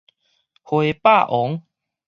花霸王